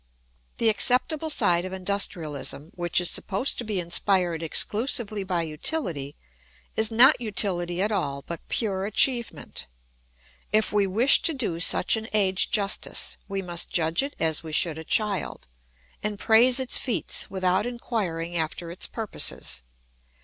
] The acceptable side of industrialism, which is supposed to be inspired exclusively by utility, is not utility at all but pure achievement. If we wish to do such an age justice we must judge it as we should a child and praise its feats without inquiring after its purposes.